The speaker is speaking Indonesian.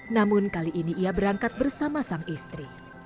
namun kali ini ia berangkat bersama sang istri